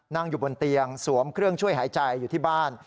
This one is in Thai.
นั่งอยู่บนเตียงสวมเครื่องช่วยหายใจอยู่ที่บ้าน